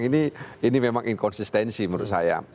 ini memang inkonsistensi menurut saya